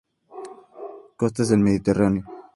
Costas del Mediterráneo.